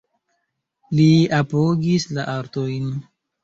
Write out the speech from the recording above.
Li apogis la artojn.